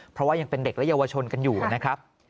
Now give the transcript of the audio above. เพราะว่ายังเป็นเด็กและเยาวชนกันอยู่นะครับ